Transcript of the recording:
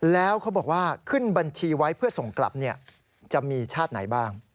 แล้วเขาบอกว่าขึ้นบัญชีไว้เพื่อส่งกลับจะมีชาติไหนบ้าง